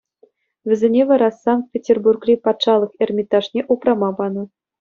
Вӗсене вара Санкт-Петербургри Патшалӑх Эрмитажне упрама панӑ.